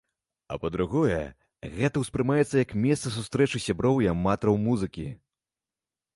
А па-другое, гэта ўспрымаецца як месца сустрэчы сяброў і аматараў музыкі.